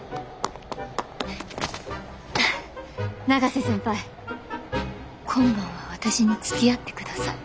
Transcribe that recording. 永瀬先輩今晩は私につきあってください。